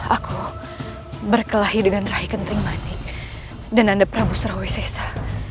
aku berkelahi dengan rai kenting manik dan anda prabu surawi sesa